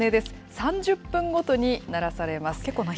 ３０分ごとに鳴らされます。